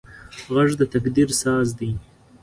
غږ د تقدیر ساز دی